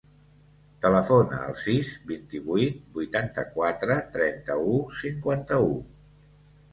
Telefona al sis, vint-i-vuit, vuitanta-quatre, trenta-u, cinquanta-u.